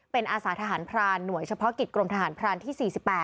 เป็นอาสาทหารพรานหน่วยเฉพาะกิจกรมทหารพรานที่๔๘